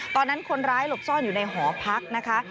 ตอนนั้นคนร้ายหลบซ่อนอยู่ในหอพักนะคะ